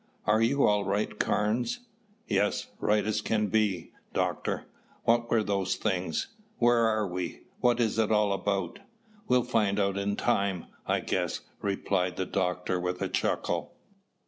"Are you all right, Carnes?" "Yes, right as can be. Doctor, what were those things? Where are we? What's it all about?" "We'll find out in time, I guess," replied the doctor with a chuckle.